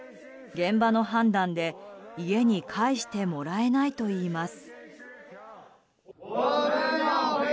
現場の判断で、家に帰してもらえないといいます。